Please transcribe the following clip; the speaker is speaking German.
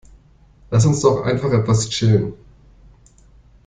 Lass uns doch einfach etwas chillen.